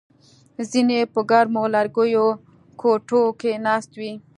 ځینې په ګرمو لرګیو کوټو کې ناست وي